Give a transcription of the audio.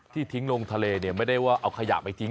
ทิ้งลงทะเลเนี่ยไม่ได้ว่าเอาขยะไปทิ้ง